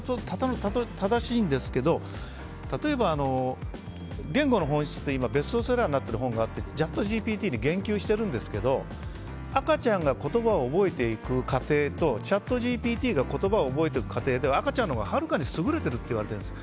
正しいんですけど例えば、「言語の本質」というベストセラーになっている本があって、チャットＧＰＴに言及してるんですけど赤ちゃんが言葉を覚えていく過程とチャットＧＰＴが言葉を覚えていく過程では赤ちゃんのほうがはるかに優れているといわれているんです。